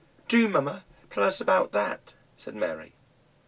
"Do, mamma, tell us about that," said Mary.